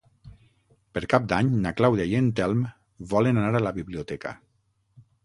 Per Cap d'Any na Clàudia i en Telm volen anar a la biblioteca.